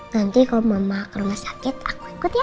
nanti kalau mama ke rumah sakit aku ikut ya